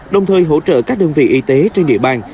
đồng thời hỗ trợ các đơn vị y tế trên địa bàn